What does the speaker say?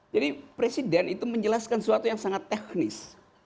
jadi presiden itu menjelaskan sesuatu yang sangat teknis